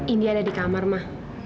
ini ada di kamar mah